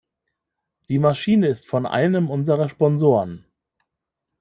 Die Maschine ist von einem unserer Sponsoren.